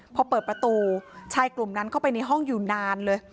พอเปิดประตูชายกลุ่มนั้นเข้าไปในห้องอยู่นานเลย